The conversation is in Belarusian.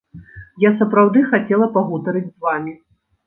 Я сапраўды хацела пагутарыць з вамі.